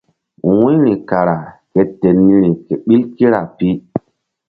Wu̧yri kara ke ten niri ke ɓil kira pi.